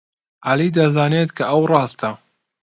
عەلی دەزانێت کە ئەو ڕاستە.